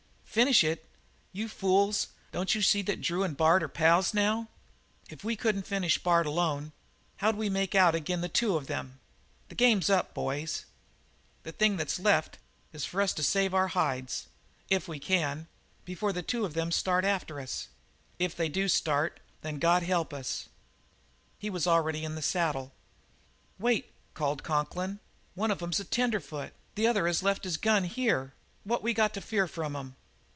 "Finish it? You fools! Don't you see that Drew and Bard is pals now? If we couldn't finish Bard alone, how'd we make out ag'in' the two of them? The game's up, boys; the thing that's left is for us to save our hides if we can before them two start after us. If they do start, then God help us all!" He was already in the saddle. "Wait!" called Conklin. "One of 'em's a tenderfoot. The other has left his gun here. What we got to fear from 'em?"